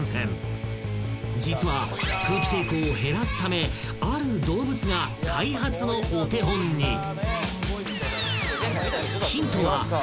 ［実は空気抵抗を減らすためある動物が開発のお手本に］